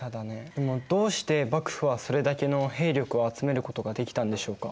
でもどうして幕府はそれだけの兵力を集めることができたんでしょうか？